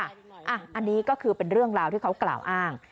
อันนี้ก็คือเป็นเรื่องราวที่เขากล่าวอ้าง